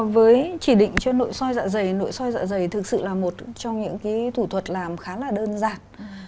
với chỉ định cho nội soi dạ dày nội soi dạ dày thực sự là một trong những thủ thuật làm khá là đơn giản